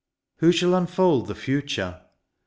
Who shall unfold the future ?